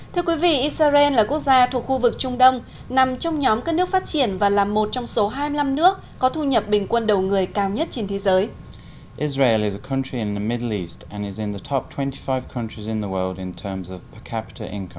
thưa quý vị israel là quốc gia thuộc khu vực trung đông nằm trong nhóm các nước phát triển và là một trong số hai mươi năm nước có thu nhập bình quân đầu người cao nhất trên thế giới